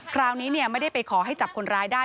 คราวนี้ไม่ได้ไปขอให้จับคนร้ายได้